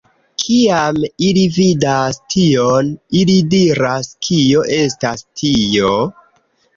Kiam ili vidas tion, ili diras kio estas tio?